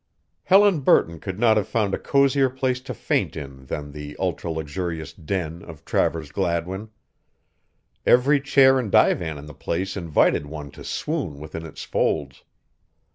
Helen Burton could not have found a cozier place to faint in than that ultra luxurious den of Travers Gladwin. Every chair and divan in the place invited one to swoon within its folds.